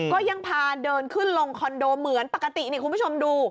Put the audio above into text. ก็ยังพาเดินขึ้นลงคอนโดเหมือนปกตินี่คุณผู้ชมดู